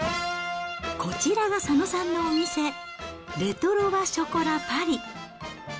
こちらが佐野さんのお店、レ・トロワ・ショコラ・パリ。